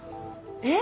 えっ！